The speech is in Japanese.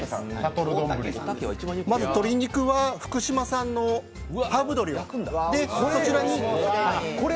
鶏肉は福島さんのハーブ鶏を。